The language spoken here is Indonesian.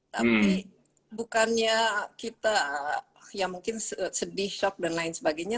tapi bukannya kita ya mungkin sedih shock dan lain sebagainya